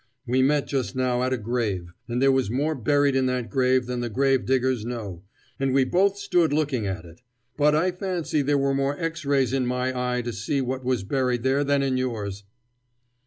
We met just now at a grave, and there was more buried in that grave than the grave diggers know: and we both stood looking at it: but I fancy there were more X rays in my eye to see what was buried there than in yours!"